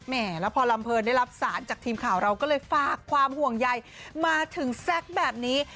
แล้วพอลำเพลินได้รับสารจากทีมข่าวเราก็เลยฝากความห่วงใยมาถึงแซคแบบนี้